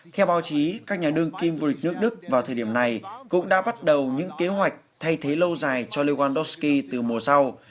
theo báo chí các nhà đương kim vô địch nước đức vào thời điểm này cũng đã bắt đầu những kế hoạch thay thế lâu dài cho liêngon dosky từ mùa sau